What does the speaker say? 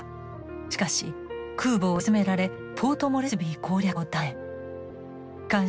しかし空母を沈められポートモレスビー攻略を断念。